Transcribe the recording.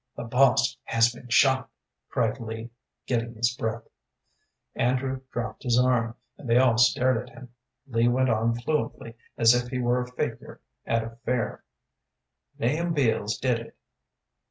"The boss has been shot," cried Lee, getting his breath. Andrew dropped his arm, and they all stared at him. Lee went on fluently, as if he were a fakir at a fair. "Nahum Beals did it.